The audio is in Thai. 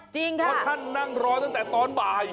จริงค่ะเอาละจริงค่ะเจิมหลังมือต้นแต่ตอนบ่าย